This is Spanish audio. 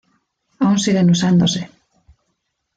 Aún siguen usándose.